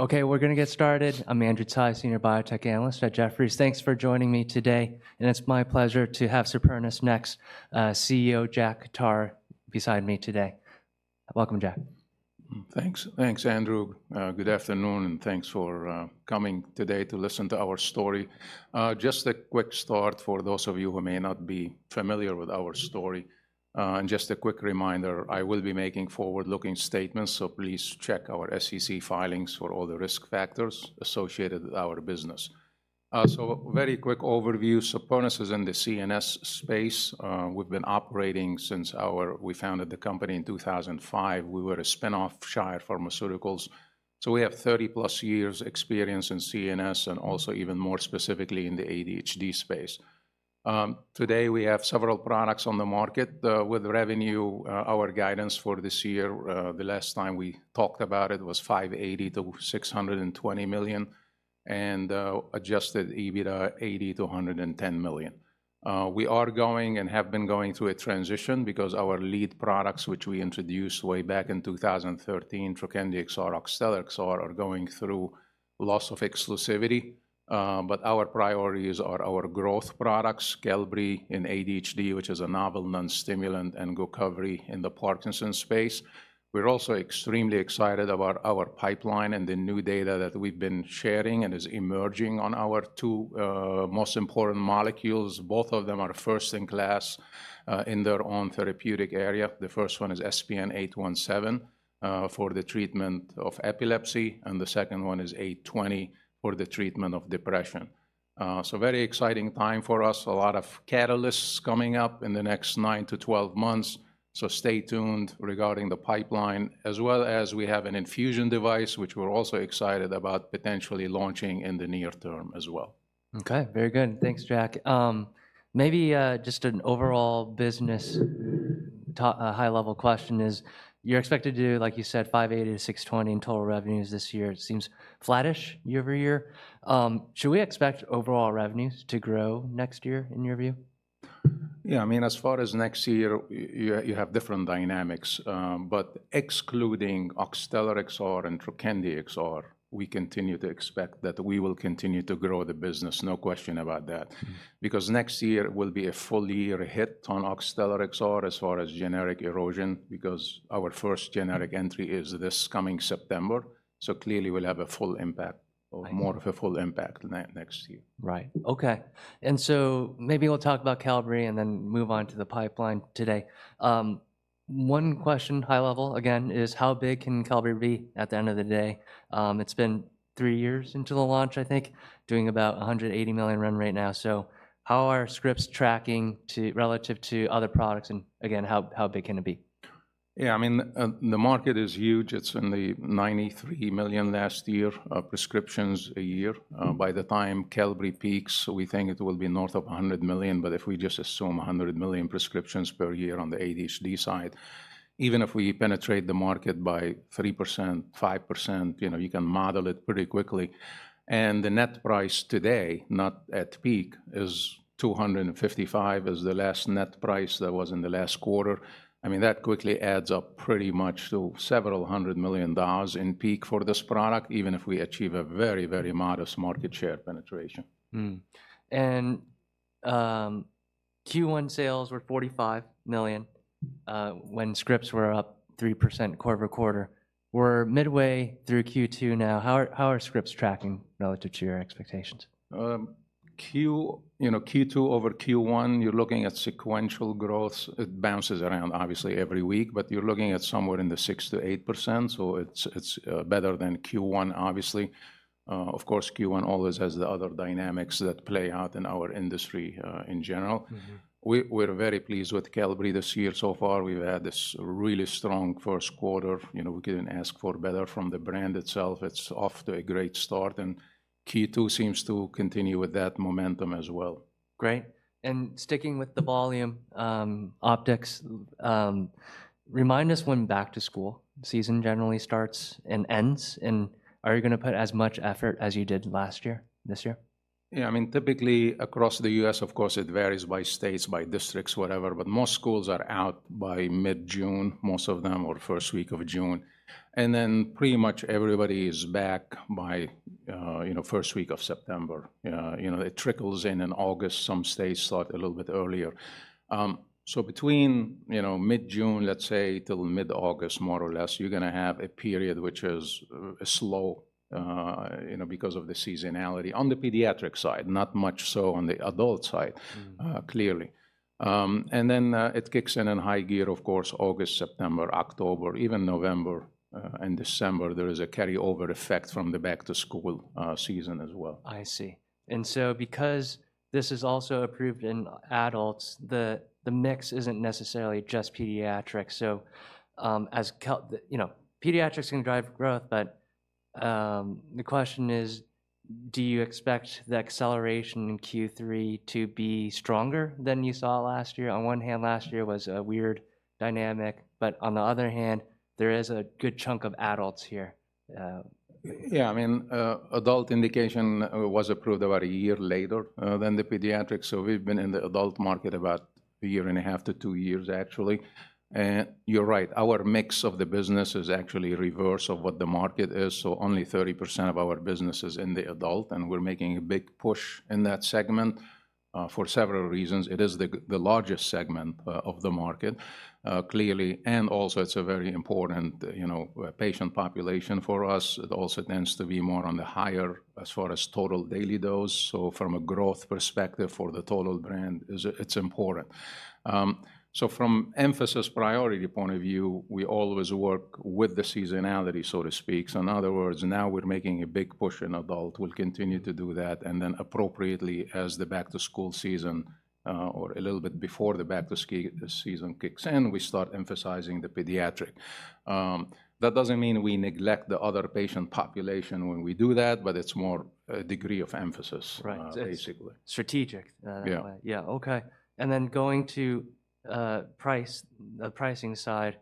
Okay, we're going to get started. I'm Andrew Tsai, Senior Biotech Analyst at Jefferies. Thanks for joining me today. It's my pleasure to have Supernus next CEO, Jack Khattar, beside me today. Welcome, Jack. Thanks. Thanks, Andrew. Good afternoon, and thanks for coming today to listen to our story. Just a quick start for those of you who may not be familiar with our story. Just a quick reminder, I will be making forward-looking statements, so please check our SEC filings for all the risk factors associated with our business. Very quick overview. Supernus is in the CNS space. We've been operating since we founded the company in 2005. We were a spinoff of Shire Pharmaceuticals. We have 30+ years' experience in CNS and also, even more specifically, in the ADHD space. Today, we have several products on the market with revenue. Our guidance for this year, the last time we talked about it, was $580 million-$620 million and adjusted EBITDA $80 million-$110 million. We are going and have been going through a transition because our lead products, which we introduced way back in 2013, Trokendi XR, Oxtellar XR, are going through loss of exclusivity. But our priorities are our growth products, Qelbree in ADHD, which is a novel non-stimulant, and GOCOVRI in the Parkinson's space. We're also extremely excited about our pipeline and the new data that we've been sharing and is emerging on our two most important molecules. Both of them are first-in-class in their own therapeutic area. The first one is SPN-817 for the treatment of epilepsy, and the second one is SPN-820 for the treatment of depression. So very exciting time for us. A lot of catalysts coming up in the next 9-12 months. Stay tuned regarding the pipeline, as well as we have an infusion device, which we're also excited about potentially launching in the near term as well. Okay, very good. Thanks, Jack. Maybe just an overall business high-level question is you're expected to do, like you said, $580 million-$620 million in total revenues this year. It seems flattish year over year. Should we expect overall revenues to grow next year, in your view? Yeah, I mean, as far as next year, you have different dynamics. But excluding Oxtellar XR and Trokendi XR, we continue to expect that we will continue to grow the business, no question about that, because next year will be a full-year hit on Oxtellar XR as far as generic erosion, because our first generic entry is this coming September. So clearly, we'll have a full impact, more of a full impact next year. Right. Okay. And so maybe we'll talk about Qelbree and then move on to the pipeline today. One question, high-level, again, is how big can Qelbree be at the end of the day? It's been three years into the launch, I think, doing about $180 million run rate now. So how are scripts tracking relative to other products? And again, how big can it be? Yeah, I mean, the market is huge. It's in the 93 million last year of prescriptions a year. By the time Qelbree peaks, we think it will be north of 100 million. But if we just assume 100 million prescriptions per year on the ADHD side, even if we penetrate the market by 3%, 5%, you can model it pretty quickly. And the net price today, not at peak, is $255, is the last net price that was in the last quarter. I mean, that quickly adds up pretty much to several hundred million dollars in peak for this product, even if we achieve a very, very modest market share penetration. Q1 sales were $45 million when scripts were up 3% quarter-over-quarter. We're midway through Q2 now. How are scripts tracking relative to your expectations? Q2 over Q1, you're looking at sequential growth. It bounces around, obviously, every week, but you're looking at somewhere in the 6%-8%. So it's better than Q1, obviously. Of course, Q1 always has the other dynamics that play out in our industry in general. We're very pleased with Qelbree this year. So far, we've had this really strong first quarter. We couldn't ask for better from the brand itself. It's off to a great start. And Q2 seems to continue with that momentum as well. Okay. Sticking with the volume, optics, remind us when back-to-school season generally starts and ends. Are you going to put as much effort as you did last year, this year? Yeah, I mean, typically, across the U.S., of course, it varies by states, by districts, whatever. But most schools are out by mid-June, most of them, or first week of June. And then pretty much everybody is back by first week of September. It trickles in in August. Some states start a little bit earlier. So between mid-June, let's say, till mid-August, more or less, you're going to have a period which is slow because of the seasonality on the pediatric side, not much so on the adult side, clearly. And then it kicks in in high gear, of course, August, September, October, even November and December. There is a carryover effect from the back-to-school season as well. I see. And so because this is also approved in adults, the mix isn't necessarily just pediatric. So pediatrics can drive growth, but the question is, do you expect the acceleration in Q3 to be stronger than you saw last year? On one hand, last year was a weird dynamic. But on the other hand, there is a good chunk of adults here. Yeah, I mean, adult indication was approved about a year later than the pediatric. So we've been in the adult market about a year and a half to two years, actually. And you're right. Our mix of the business is actually reverse of what the market is. So only 30% of our business is in the adult. And we're making a big push in that segment for several reasons. It is the largest segment of the market, clearly. And also, it's a very important patient population for us. It also tends to be more on the higher as far as total daily dose. So from a growth perspective for the total brand, it's important. So from an emphasis priority point of view, we always work with the seasonality, so to speak. So in other words, now we're making a big push in adult. We'll continue to do that. And then appropriately, as the back-to-school season or a little bit before the back-to-school season kicks in, we start emphasizing the pediatric. That doesn't mean we neglect the other patient population when we do that, but it's more a degree of emphasis, basically. Right. Strategic. Yeah. Okay. And then going to price, the pricing side,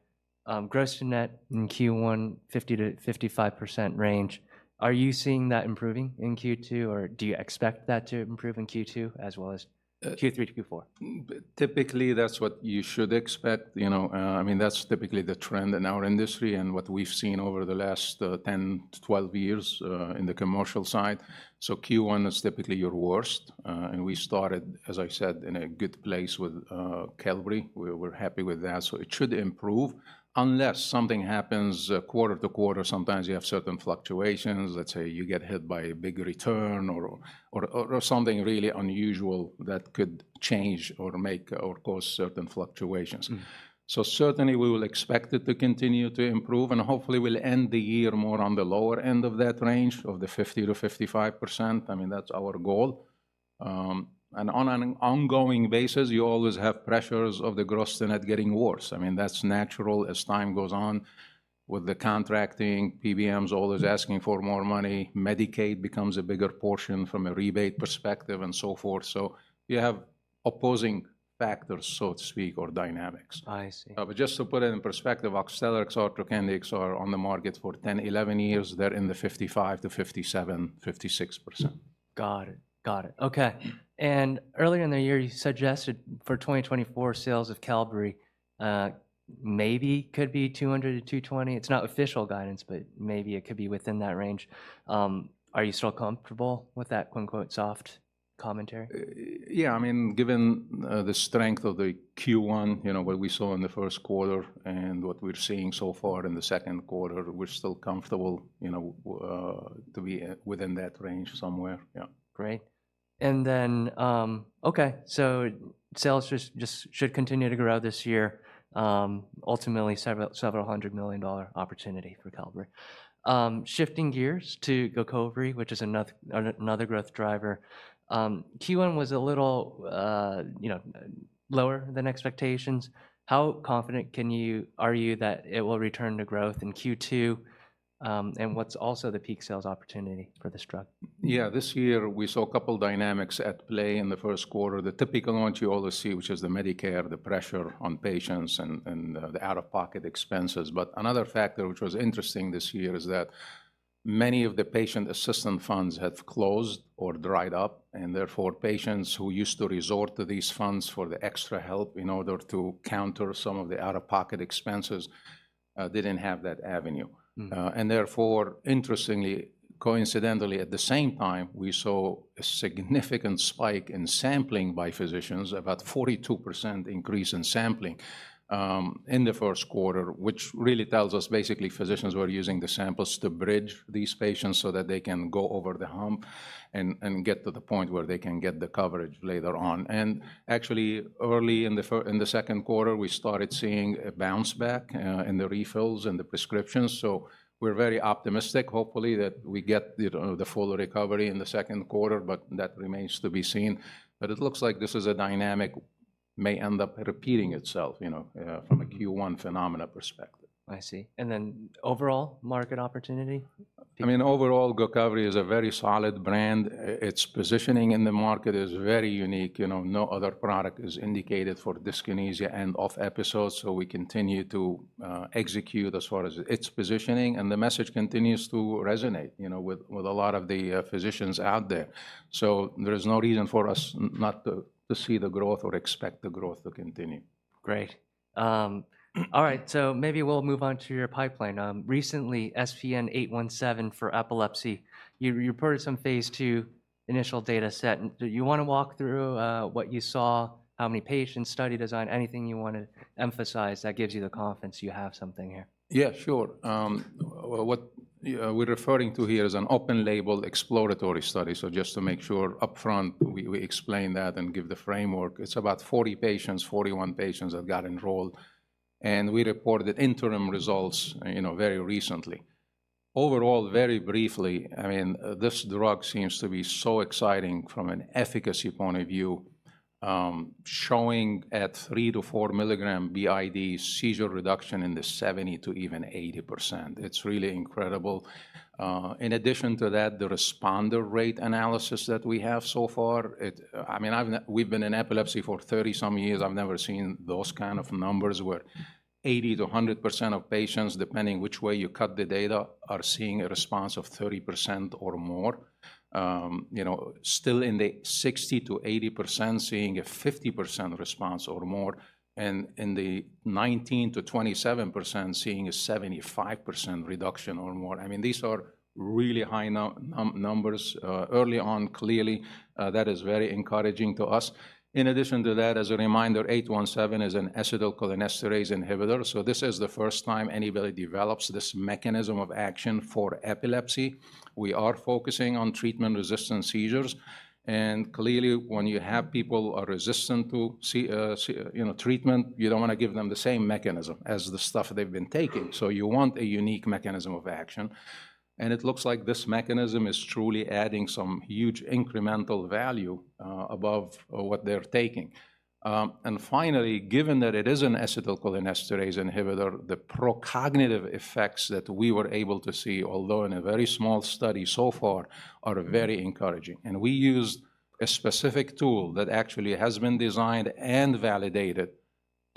gross to net in Q1, 50%-55% range. Are you seeing that improving in Q2, or do you expect that to improve in Q2 as well as Q3 to Q4? Typically, that's what you should expect. I mean, that's typically the trend in our industry and what we've seen over the last 10-12 years in the commercial side. Q1 is typically your worst. We started, as I said, in a good place with Qelbree. We were happy with that. It should improve unless something happens quarter to quarter. Sometimes you have certain fluctuations. Let's say you get hit by a big return or something really unusual that could change or make or cause certain fluctuations. Certainly, we will expect it to continue to improve. Hopefully, we'll end the year more on the lower end of that range of the 50%-55%. I mean, that's our goal. On an ongoing basis, you always have pressures of the gross to net getting worse. I mean, that's natural as time goes on with the contracting. PBMs are always asking for more money. Medicaid becomes a bigger portion from a rebate perspective and so forth. So you have opposing factors, so to speak, or dynamics. I see. Just to put it in perspective, Oxtellar XR, Trokendi XR are on the market for 10, 11 years. They're in the 55%-57%, 56%. Got it. Got it. Okay. And earlier in the year, you suggested for 2024, sales of Qelbree maybe could be $200-$220. It's not official guidance, but maybe it could be within that range. Are you still comfortable with that "soft" commentary? Yeah, I mean, given the strength of the Q1, what we saw in the first quarter and what we're seeing so far in the second quarter, we're still comfortable to be within that range somewhere. Yeah. Great. Then, okay, so sales just should continue to grow this year. Ultimately, several hundred million dollar opportunity for Qelbree. Shifting gears to GOCOVRI, which is another growth driver. Q1 was a little lower than expectations. How confident are you that it will return to growth in Q2? And what's also the peak sales opportunity for this drug? Yeah, this year, we saw a couple of dynamics at play in the first quarter. The typical one you always see, which is the Medicare, the pressure on patients and the out-of-pocket expenses. But another factor, which was interesting this year, is that many of the patient assistance funds have closed or dried up. And therefore, patients who used to resort to these funds for the extra help in order to counter some of the out-of-pocket expenses didn't have that avenue. And therefore, interestingly, coincidentally, at the same time, we saw a significant spike in sampling by physicians, about a 42% increase in sampling in the first quarter, which really tells us, basically, physicians were using the samples to bridge these patients so that they can go over the hump and get to the point where they can get the coverage later on. Actually, early in the second quarter, we started seeing a bounce back in the refills and the prescriptions. So we're very optimistic, hopefully, that we get the full recovery in the second quarter, but that remains to be seen. But it looks like this is a dynamic that may end up repeating itself from a Q1 phenomena perspective. I see. And then overall market opportunity? I mean, overall, GOCOVRI is a very solid brand. Its positioning in the market is very unique. No other product is indicated for dyskinesia and OFF episodes. So we continue to execute as far as its positioning. And the message continues to resonate with a lot of the physicians out there. So there is no reason for us not to see the growth or expect the growth to continue. Great. All right. So maybe we'll move on to your pipeline. Recently, SPN-817 for epilepsy. You reported some phase II initial data set. Do you want to walk through what you saw, how many patients, study design, anything you want to emphasize that gives you the confidence you have something here? Yeah, sure. What we're referring to here is an open-label exploratory study. So just to make sure upfront, we explain that and give the framework. It's about 40 patients, 41 patients that got enrolled. We reported interim results very recently. Overall, very briefly, I mean, this drug seems to be so exciting from an efficacy point of view, showing at 3 mg-4 mg b.i.d. seizure reduction in the 70%-80%. It's really incredible. In addition to that, the responder rate analysis that we have so far, I mean, we've been in epilepsy for 30-some years. I've never seen those kind of numbers where 80%-100% of patients, depending which way you cut the data, are seeing a response of 30% or more. Still in the 60%-80%, seeing a 50% response or more. And in the 19%-27%, seeing a 75% reduction or more. I mean, these are really high numbers. Early on, clearly, that is very encouraging to us. In addition to that, as a reminder, 817 is an acetylcholinesterase inhibitor. So this is the first time anybody develops this mechanism of action for epilepsy. We are focusing on treatment-resistant seizures. And clearly, when you have people who are resistant to treatment, you don't want to give them the same mechanism as the stuff they've been taking. So you want a unique mechanism of action. And it looks like this mechanism is truly adding some huge incremental value above what they're taking. And finally, given that it is an acetylcholinesterase inhibitor, the pro-cognitive effects that we were able to see, although in a very small study so far, are very encouraging. We used a specific tool that actually has been designed and validated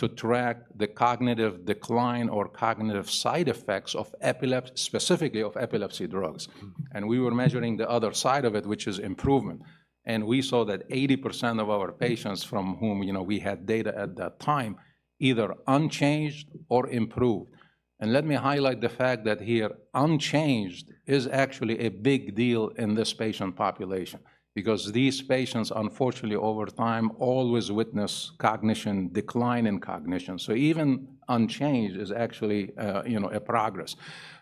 to track the cognitive decline or cognitive side effects specifically of epilepsy drugs. We were measuring the other side of it, which is improvement. We saw that 80% of our patients from whom we had data at that time either unchanged or improved. Let me highlight the fact that here, unchanged is actually a big deal in this patient population because these patients, unfortunately, over time, always witness cognition, decline in cognition. Even unchanged is actually a progress.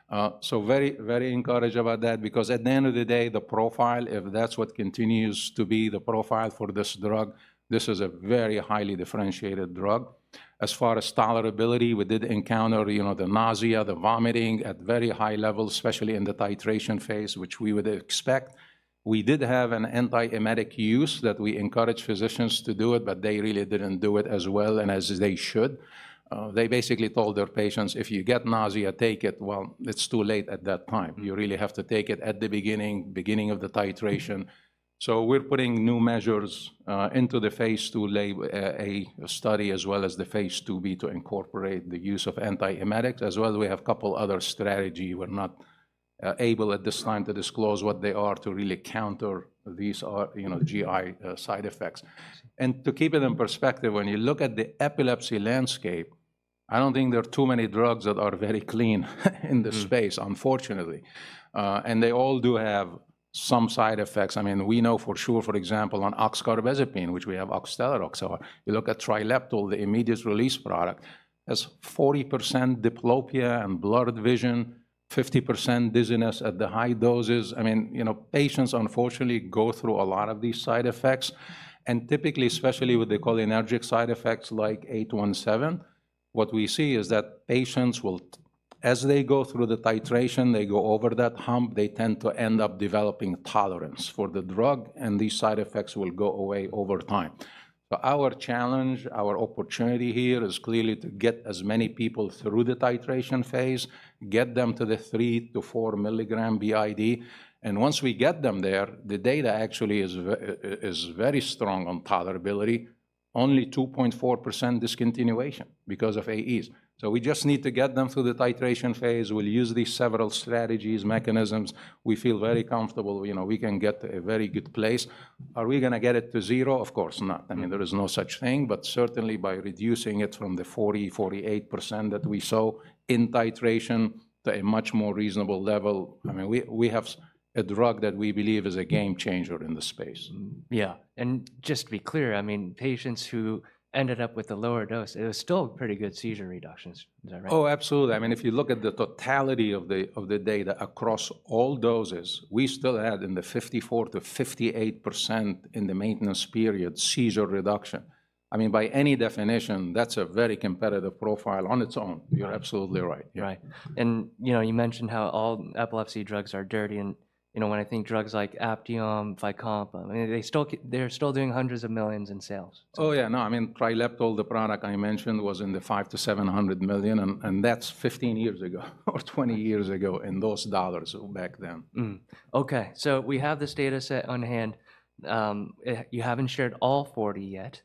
Very, very encouraged about that because at the end of the day, the profile, if that's what continues to be the profile for this drug, this is a very highly differentiated drug. As far as tolerability, we did encounter the nausea, the vomiting at very high levels, especially in the titration phase, which we would expect. We did have an antiemetic use that we encouraged physicians to do it, but they really didn't do it as well and as they should. They basically told their patients, "If you get nausea, take it." Well, it's too late at that time. You really have to take it at the beginning, beginning of the titration. So we're putting new measures into the phase II study as well as the phase II-B to incorporate the use of antiemetics. As well, we have a couple of other strategies. We're not able at this time to disclose what they are to really counter these GI side effects. And to keep it in perspective, when you look at the epilepsy landscape, I don't think there are too many drugs that are very clean in this space, unfortunately. And they all do have some side effects. I mean, we know for sure, for example, on oxcarbazepine, which we have Oxtellar XR. You look at Trileptal, the immediate-release product, has 40% diplopia and blurred vision, 50% dizziness at the high doses. I mean, patients, unfortunately, go through a lot of these side effects. And typically, especially with the cholinergic side effects like 817, what we see is that patients, as they go through the titration, they go over that hump, they tend to end up developing tolerance for the drug, and these side effects will go away over time. So our challenge, our opportunity here is clearly to get as many people through the titration phase, get them to the 3 mg-4 mg b.i.d. And once we get them there, the data actually is very strong on tolerability, only 2.4% discontinuation because of AEs. So we just need to get them through the titration phase. We'll use these several strategies, mechanisms. We feel very comfortable. We can get to a very good place. Are we going to get it to zero? Of course not. I mean, there is no such thing. But certainly, by reducing it from the 40%-48% that we saw in titration to a much more reasonable level, I mean, we have a drug that we believe is a game changer in the space. Yeah. And just to be clear, I mean, patients who ended up with the lower dose, it was still pretty good seizure reductions. Is that right? Oh, absolutely. I mean, if you look at the totality of the data across all doses, we still had in the 54%-58% in the maintenance period seizure reduction. I mean, by any definition, that's a very competitive profile on its own. You're absolutely right. Right. And you mentioned how all epilepsy drugs are dirty. And when I think drugs like Aptiom, Vimpat, they're still doing hundreds of millions in sales. Oh, yeah. No, I mean, Trileptal, the product I mentioned, was in the $500 million-$700 million. That's 15 years ago or 20 years ago in those dollars back then. Okay. So we have this data set on hand. You haven't shared all 40 yet.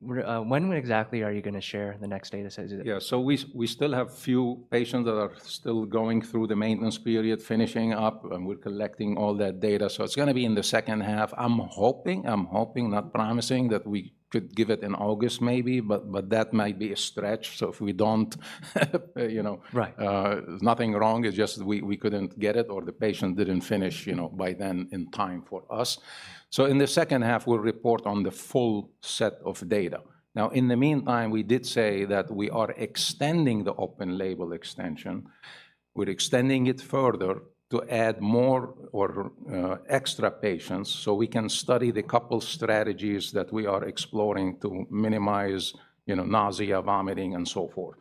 When exactly are you going to share the next data set? Yeah. So we still have a few patients that are still going through the maintenance period, finishing up. And we're collecting all that data. So it's going to be in the second half. I'm hoping, I'm hoping, not promising, that we could give it in August maybe, but that might be a stretch. So if we don't, nothing wrong. It's just we couldn't get it or the patient didn't finish by then in time for us. So in the second half, we'll report on the full set of data. Now, in the meantime, we did say that we are extending the open label extension. We're extending it further to add more or extra patients so we can study the couple of strategies that we are exploring to minimize nausea, vomiting, and so forth.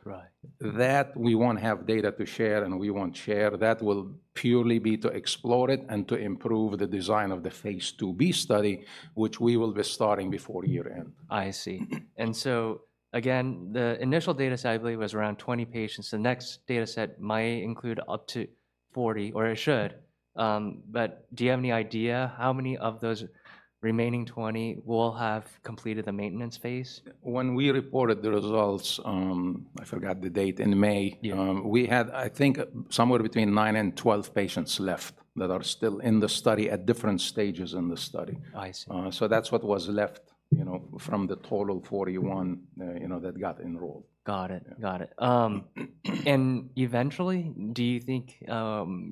That we won't have data to share and we won't share. That will purely be to explore it and to improve the design of the phase II-B study, which we will be starting before year end. I see. And so again, the initial data set, I believe, was around 20 patients. The next data set might include up to 40, or it should. But do you have any idea how many of those remaining 20 will have completed the maintenance phase? When we reported the results, I forgot the date, in May, we had, I think, somewhere between nine and 12 patients left that are still in the study at different stages in the study. So that's what was left from the total 41 that got enrolled. Got it. Got it. And eventually, do you think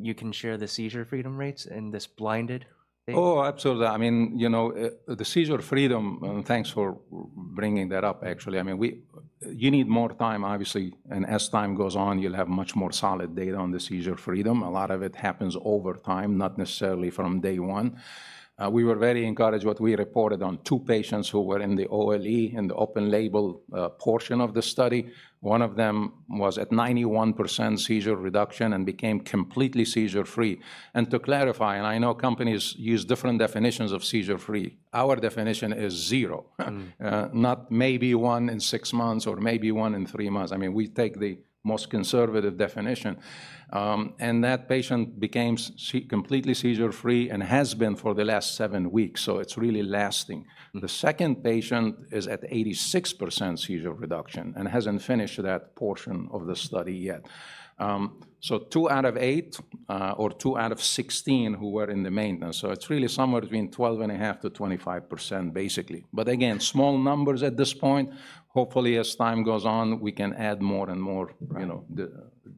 you can share the seizure freedom rates in this blinded? Oh, absolutely. I mean, the seizure freedom, and thanks for bringing that up, actually. I mean, you need more time, obviously. As time goes on, you'll have much more solid data on the seizure freedom. A lot of it happens over time, not necessarily from day one. We were very encouraged what we reported on two patients who were in the OLE, in the open label portion of the study. One of them was at 91% seizure reduction and became completely seizure-free. To clarify, and I know companies use different definitions of seizure-free, our definition is zero, not maybe one in six months or maybe one in three months. I mean, we take the most conservative definition. That patient became completely seizure-free and has been for the last seven weeks. So it's really lasting. The second patient is at 86% seizure reduction and hasn't finished that portion of the study yet. So two out of eight or two out of 16 who were in the maintenance. So it's really somewhere between 12.5%-25%, basically. But again, small numbers at this point. Hopefully, as time goes on, we can add more and more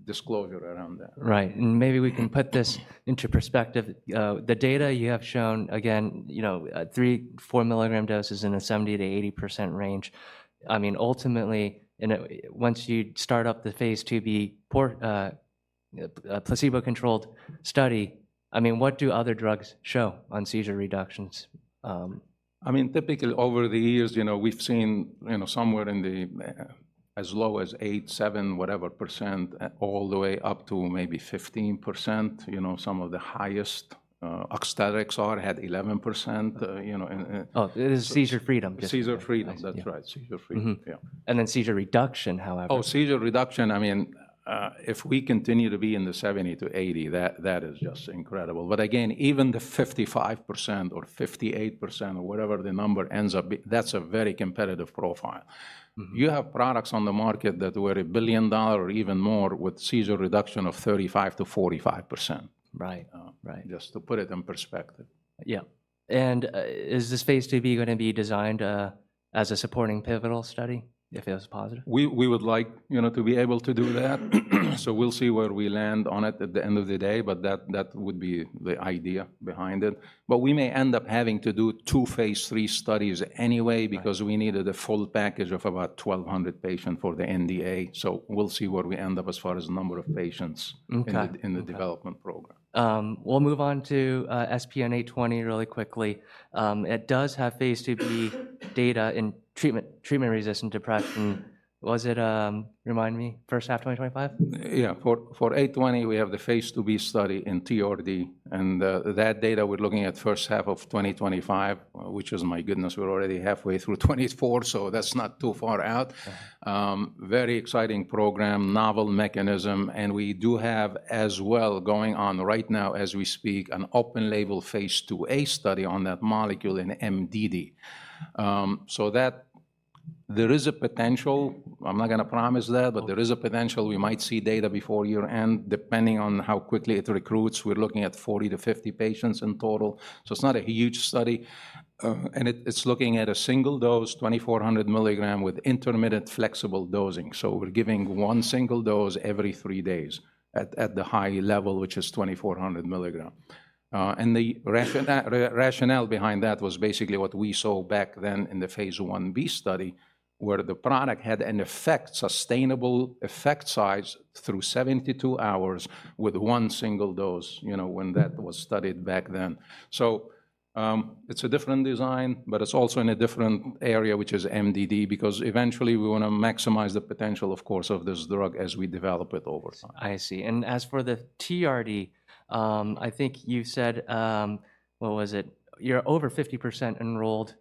disclosure around that. Right. Maybe we can put this into perspective. The data you have shown, again, 3 mg-4 mg doses in a 70%-80% range. I mean, ultimately, once you start up the phase II-B placebo-controlled study, I mean, what do other drugs show on seizure reductions? I mean, typically, over the years, we've seen somewhere in the as low as 8%, 7%, whatever %, all the way up to maybe 15%. Some of the highest Oxtellar had 11%. Oh, it is seizure freedom. Seizure freedom, that's right. Seizure freedom, yeah. Seizure reduction, however. Oh, seizure reduction, I mean, if we continue to be in the 70%-80%, that is just incredible. But again, even the 55% or 58% or whatever the number ends up, that's a very competitive profile. You have products on the market that were a billion-dollar or even more with seizure reduction of 35%-45%, just to put it in perspective. Yeah. Is this phase II-B going to be designed as a supporting pivotal study if it was positive? We would like to be able to do that. So we'll see where we land on it at the end of the day. But that would be the idea behind it. But we may end up having to do two phase III studies anyway because we needed a full package of about 1,200 patients for the NDA. So we'll see where we end up as far as the number of patients in the development program. We'll move on to SPN-820 really quickly. It does have phase II-B data in treatment-resistant depression. Was it, remind me, first half 2025? Yeah. For 820, we have the phase II-B study in TRD. And that data, we're looking at first half of 2025, which is, my goodness, we're already halfway through 2024. So that's not too far out. Very exciting program, novel mechanism. And we do have as well going on right now, as we speak, an open-label phase II-A study on that molecule in MDD. So there is a potential. I'm not going to promise that, but there is a potential. We might see data before year end. Depending on how quickly it recruits, we're looking at 40-50 patients in total. So it's not a huge study. And it's looking at a single dose, 2,400 mg with intermittent flexible dosing. So we're giving one single dose every three days at the high level, which is 2,400 mg. The rationale behind that was basically what we saw back then in the phase I-B study, where the product had an effect, sustainable effect size through 72 hours with one single dose when that was studied back then. It's a different design, but it's also in a different area, which is MDD, because eventually, we want to maximize the potential, of course, of this drug as we develop it over time. I see. And as for the TRD, I think you said, what was it? You're over 50% enrolled.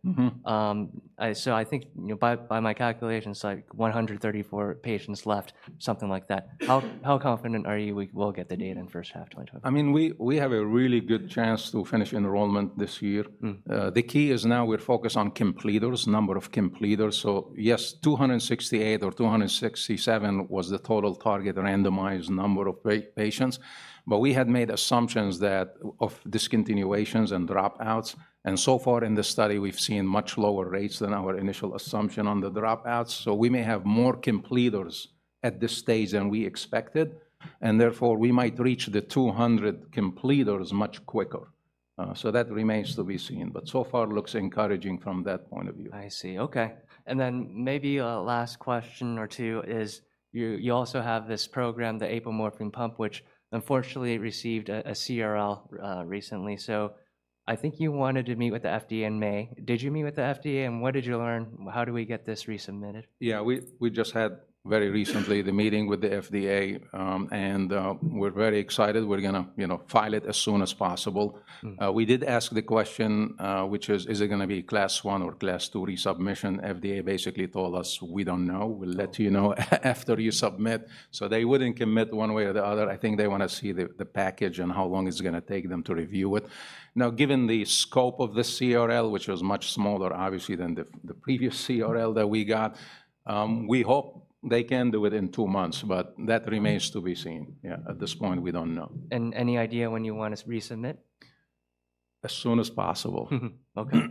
So I think by my calculations, like 134 patients left, something like that. How confident are you we will get the data in first half 2025? I mean, we have a really good chance to finish enrollment this year. The key is now we're focused on completers, number of completers. So yes, 268 or 267 was the total target randomized number of patients. But we had made assumptions of discontinuations and dropouts. And so far in the study, we've seen much lower rates than our initial assumption on the dropouts. So we may have more completers at this stage than we expected. And therefore, we might reach the 200 completers much quicker. So that remains to be seen. But so far, it looks encouraging from that point of view. I see. Okay. And then maybe a last question or two is you also have this program, The Apomorphine Pump, which unfortunately received a CRL recently. So I think you wanted to meet with the FDA in May. Did you meet with the FDA? And what did you learn? How do we get this resubmitted? Yeah. We just had very recently the meeting with the FDA. We're very excited. We're going to file it as soon as possible. We did ask the question, which is, is it going to be Class I or Class II resubmission? FDA basically told us, we don't know. We'll let you know after you submit. They wouldn't commit one way or the other. I think they want to see the package and how long it's going to take them to review it. Now, given the scope of the CRL, which was much smaller, obviously, than the previous CRL that we got, we hope they can do it in two months. That remains to be seen. At this point, we don't know. Any idea when you want to resubmit? As soon as possible. Okay.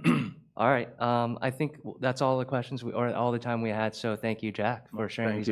All right. I think that's all the questions or all the time we had. So thank you, Jack, for sharing these.